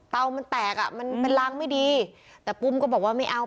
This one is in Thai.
มันแตกอ่ะมันเป็นรางไม่ดีแต่ปุ้มก็บอกว่าไม่เอา